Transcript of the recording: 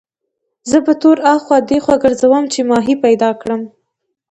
زه په تور اخوا دېخوا ګرځېدم چې ماهي پیدا کړم.